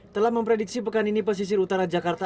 telah memprediksi pekan ini pesisir utara jakarta